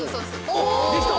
おっできた！